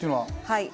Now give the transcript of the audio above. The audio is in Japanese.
はい。